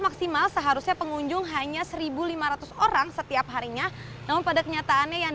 maksimal seharusnya pengunjung hanya seribu lima ratus orang setiap harinya namun pada kenyataannya yang